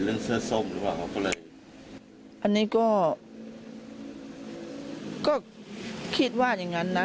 เสื้อส้มหรือเปล่าเขาก็เลยอันนี้ก็ก็คิดว่าอย่างงั้นนะ